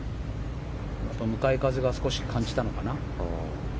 やっぱり向かい風を少し感じたのかな。